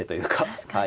確かに。